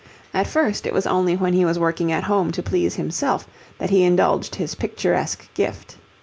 At first it was only when he was working at home to please himself that he indulged his picturesque gift.